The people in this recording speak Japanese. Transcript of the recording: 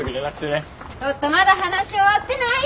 ちょっとまだ話終わってない！